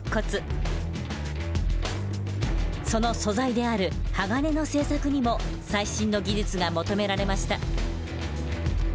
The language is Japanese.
その素材である鋼の製作にも最新の技術が求められました。